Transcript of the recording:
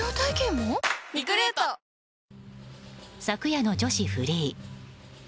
昨夜の女子フリー。